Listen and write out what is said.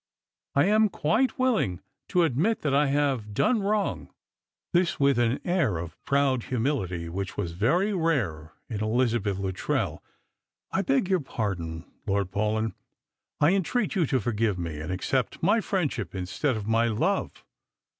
I aoi quite willing to admit that I have done Strangers and Pilgrims. 187 wtong; "— this with an air of proud hnniilitf wliich waa very rare in Elizabeth liuttrell —" I beg yoi;r pardon, Lord Paulyu ; I entreat you to forgive me, and accept rcy friendship instead of my love.